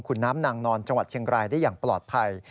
คุณน้ำนางนอนจังหวัดเชียงรายได้อย่างปลอดภัย